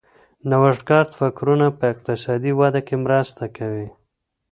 نوښتګر فکرونه په اقتصادي وده کي مرسته کوي.